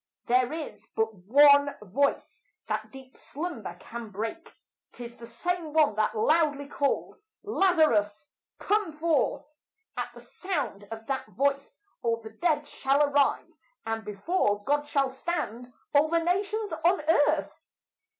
There is but one voice that deep slumber can break, 'Tis the same one that loudly called, "Lazarus, come forth!" At the sound of that voice all the dead shall arise, And before God shall stand all the nations on earth.